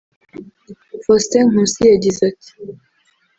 Faustin Nkusi yagize ati